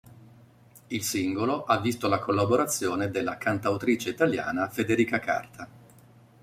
Il singolo ha visto la collaborazione della cantautrice italiana Federica Carta.